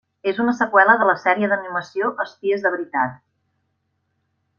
És una seqüela de la sèrie d'animació Espies de veritat.